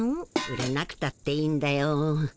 売れなくたっていいんだよ。